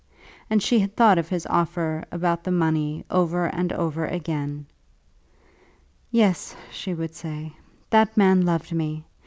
And she had thought of his offer about the money over and over again. "Yes," she would say; "that man loved me.